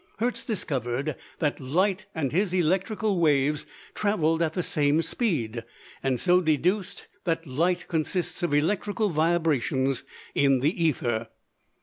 Hertz discovered that light and his electrical waves traveled at the same speed, and so deduced that light consists of electrical vibrations in the ether.